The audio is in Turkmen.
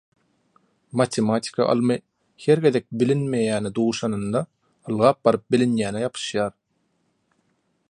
Matematika ylmy her gezek bilinmeýäne duşanynda ylgap baryp bilinýäne ýapyşýar.